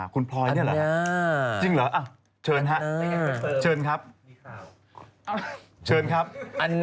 โอลี่คัมรี่ยากที่ใครจะตามทันโอลี่คัมรี่ยากที่ใครจะตามทัน